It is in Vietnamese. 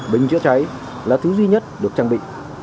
bình chữa cháy là thứ duy nhất được trang bị